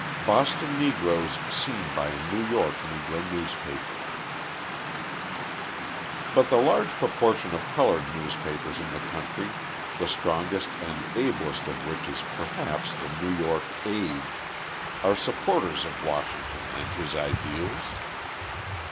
Boston Negroes Seen by a New York Negro Newspaper But the large proportion of coloured newspapers in the country, the strongest and ablest of which is perhaps the New York Age, are supporters of Washington and his ideals.